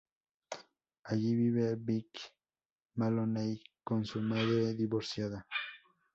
Allí vive Vicky Maloney, con su madre divorciada.